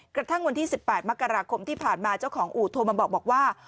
กระทั่งวันที่๑๘มกราคมที่ผ่านมาเจ้าของอู่โทรมาบอกว่า